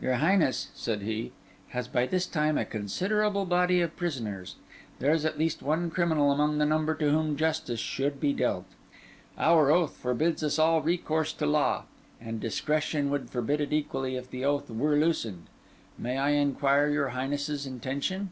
"Your Highness," said he, "has by this time a considerable body of prisoners. There is at least one criminal among the number to whom justice should be dealt. Our oath forbids us all recourse to law; and discretion would forbid it equally if the oath were loosened. May I inquire your Highness's intention?"